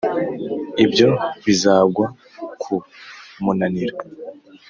ibyo bizagwa ku munaniro,